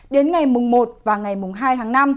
đến ngày mùng một và ngày mùng hai tháng năm